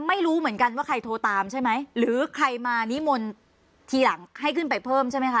ไม่รู้เหมือนกันว่าใครโทรตามใช่ไหมหรือใครมานิมนต์ทีหลังให้ขึ้นไปเพิ่มใช่ไหมคะ